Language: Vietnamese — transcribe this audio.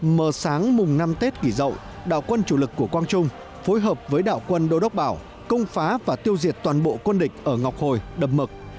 mờ sáng mùng năm tết nghỉ dậu đạo quân chủ lực của quang trung phối hợp với đạo quân đô đốc bảo công phá và tiêu diệt toàn bộ quân địch ở ngọc hồi đập mực